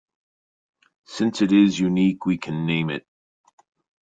Since it is unique we can name it.